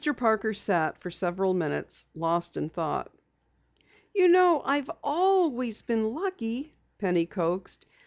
Parker sat for several minutes lost in thought. "You know, I've ALWAYS been lucky," Penny coaxed.